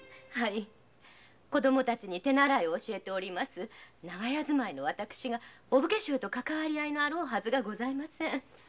子供たちに手習いを教える長屋住まいの私がお武家衆と関係あるはずがございません。